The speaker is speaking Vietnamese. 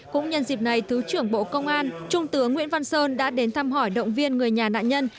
cũng nhân dịp này thứ trưởng bộ công an trung tướng nguyễn văn sơn đã đến thăm hỏi động viên người nhà nạn nhân